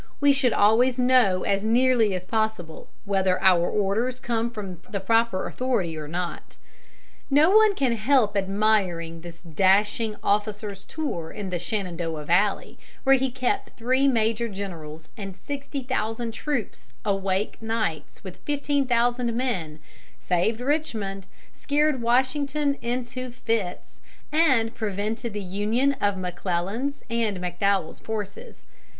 We should always know as nearly as possible whether our orders come from the proper authority or not. No one can help admiring this dashing officer's tour in the Shenandoah Valley, where he kept three major generals and sixty thousand troops awake nights with fifteen thousand men, saved Richmond, scared Washington into fits, and prevented the union of McClellan's and McDowell's forces.